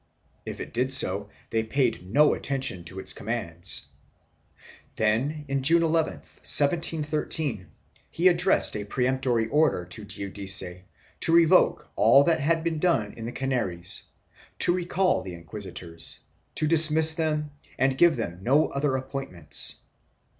If it did so, they paid no attention to its commands. Then, June 11, 1713, he addressed a peremptory order to Giudice to revoke all that had been done in the Canaries, to recall the inquisitors, to dismiss them and give them no other appointments.